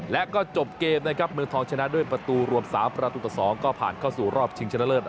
และก็จบเกมนะครับเมืองทองชนะด้วยประตูรวม๓ประตูต่อ๒ก็ผ่านเข้าสู่รอบชิงชนะเลิศ